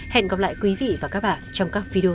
hẹn gặp lại quý vị và các bạn trong các video